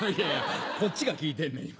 こっちが聞いてんねん今。